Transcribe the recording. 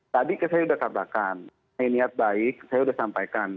tadi saya sudah katakan niat baik saya sudah sampaikan